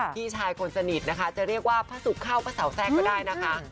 พี่ชายคนสนิทนะคะจะเรียกว่าพระศุกร์เข้าพระเสาแทรกก็ได้นะคะ